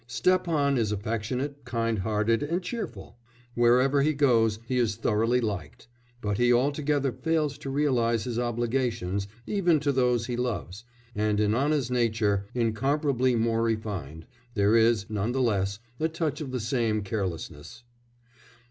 Stepan is affectionate, kind hearted, and cheerful; wherever he goes he is thoroughly liked; but he altogether fails to realise his obligations, even to those he loves, and in Anna's nature, incomparably more refined, there is, none the less, a touch of the same carelessness.